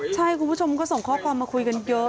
ใช่คุณผู้ชมก็ส่งข้อความมาคุยกันเยอะ